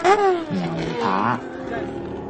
牛扒